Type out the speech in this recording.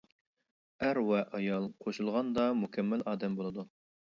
ئەر ۋە ئايال قوشۇلغاندا مۇكەممەل ئادەم بولىدۇ.